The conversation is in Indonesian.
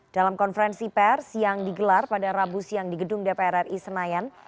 dalam konferensi pers yang digelar pada rabu siang di gedung dpr ri senayan